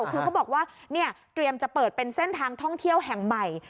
คือเขาบอกว่าเตรียมจะเปิดเป็นเส้นทางท่องเที่ยวแห่งใหม่